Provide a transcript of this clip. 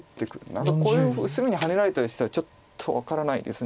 何かこれをすぐにハネられたりしたらちょっと分からないです。